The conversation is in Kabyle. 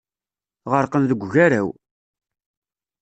Ɣerqen deg ugaraw.